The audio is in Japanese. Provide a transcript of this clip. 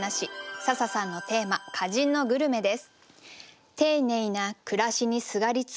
笹さんのテーマ「歌人のグルメ」です。